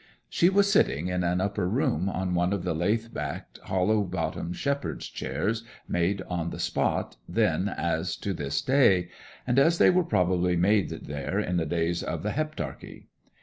She was sitting in an upper room on one of the lath backed, willow bottomed 'shepherd's' chairs, made on the spot then as to this day, and as they were probably made there in the days of the Heptarchy.